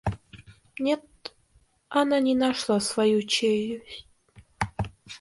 Нет, она не нашла свою челюсть.